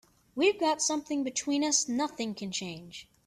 We've got something between us nothing can change.